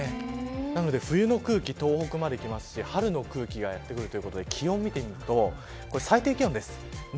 なので、冬の空気東北までいきますし春の空気がやってくるということで気温を見てみると最低気温です。